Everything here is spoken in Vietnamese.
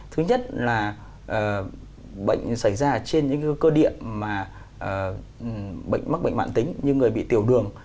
thứ nhất là bệnh xảy ra trên những cơ điện mà bệnh mắc bệnh mạng tính như người bị tiểu đường